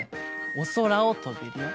おそらをとべるよ。